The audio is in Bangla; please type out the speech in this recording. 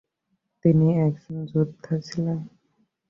তিনি একজন যোদ্ধা ছিলেন।